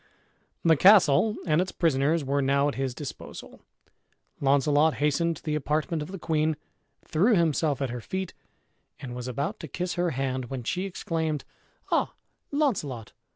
The castle and its prisoners were now at his disposal. Launcelot hastened to the apartment of the queen, threw himself at her feet, and was about to kiss her hand, when she exclaimed, "Ah, Launcelot!